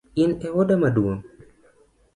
In ewuoda maduong’?